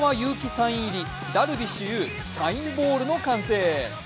サイン入りダルビッシュ有サインボールの完成。